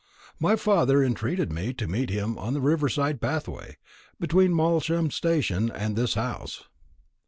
My father entreated me to meet him on the river side pathway, between Malsham station and this house.